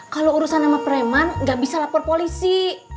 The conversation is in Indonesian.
kalau urusan sama preman gak bisa lapor polisi